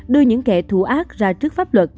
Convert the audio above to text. đưa những kẻ thù ác ra trước pháp luật